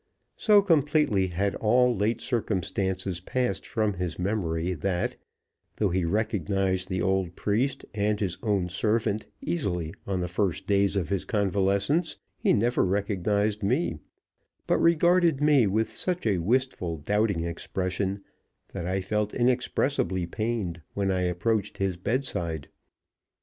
So completely had all late circumstances passed from his memory that, though he recognized the old priest and his own servant easily on the first days of his convalescence, he never recognized me, but regarded me with such a wistful, doubting expression, that I felt inexpressibly pained when I approached his bedside.